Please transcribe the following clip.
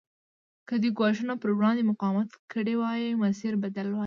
که دې ګواښونو پر وړاندې مقاومت کړی وای مسیر بدل وای.